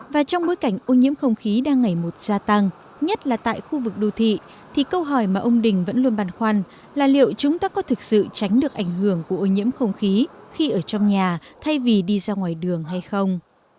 và trong bối cảnh ô nhiễm không khí đang ngày một gia tăng nhất là tại khu vực đô thị thì câu hỏi mà ông đình vẫn luôn băn khoăn là liệu chúng ta có thực sự tránh được ảnh hưởng của ô nhiễm không khí khi ở trong nhà thay vì đi ra ngoài đường hay không